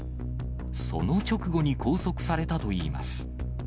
その直後に拘束されたといいます。